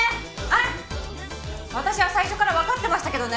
私は最初からわかってましたけどね。